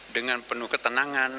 dengan penuh ketenangan